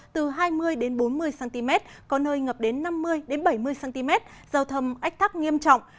từ hai mươi bốn mươi cm có nơi ngập đến năm mươi bảy mươi cm giao thông ách tắc nghiêm trọng